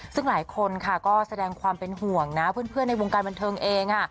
ซึ่งหลายคนค่ะก็แสดงความเป็นห่วงนะเพื่อนในวงการบันเทิงเอง